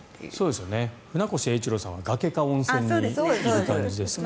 船越英一郎さんは崖か温泉にいる感じですけど。